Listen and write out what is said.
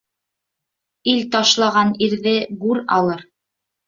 Ил ташлаған ирҙе гүр алыр.